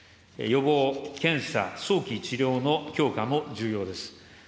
予防、検査、早期治療の強化も重要です。